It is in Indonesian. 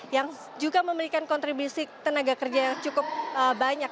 yang juga memberikan kontribusi tenaga kerja yang cukup banyak